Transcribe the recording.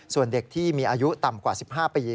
ส่วนเด็กที่มีอายุต่ำกว่า๑๕ปี